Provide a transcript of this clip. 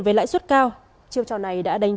với lãi suất cao chiêu trò này đã đánh